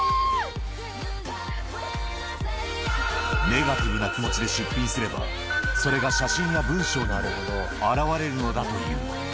ネガティブな気持ちで出品すれば、それが写真や文章などにも表れるのだという。